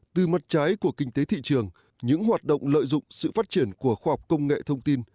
từ mặt trái của kinh tế thị trường những hoạt động lợi dụng sự phát triển của khoa học công nghệ thông tin